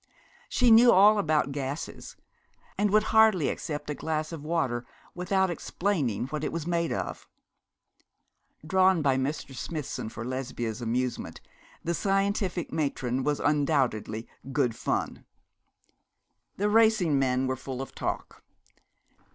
She knew all about gases, and would hardly accept a glass of water without explaining what it was made of. Drawn by Mr. Smithson for Lesbia's amusement, the scientific matron was undoubtedly 'good fun.' The racing men were full of talk.